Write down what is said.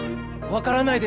分からない